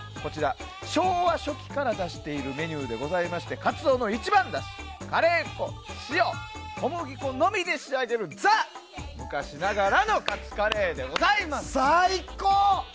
昭和初期から出しているメニューでございましてカツオの一番だし、塩小麦粉のみで仕上げるザ・昔ながらのカツカレーです。